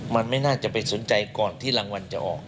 มันไม่น่าจะไปสนใจก่อนที่รางวัลจะออก